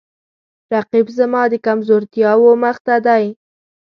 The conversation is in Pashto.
رقیب زما د کمزورتیاو مخ ته دی